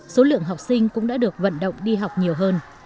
sau đó số lượng học sinh cũng đã được vận động đi học nhiều hơn